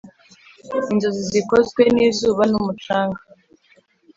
inzozi zikozwe n'izuba n'umucanga.